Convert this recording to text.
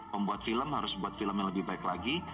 pembuat film harus membuat film yang lebih baik lagi